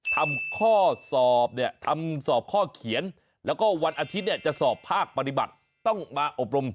ทำข้อสอบเนี่ยทำสอบข้อเขียนแล้วก็วันอาทิตย์เนี่ยจะสอบภาคปฏิบัติต้องมาอบรม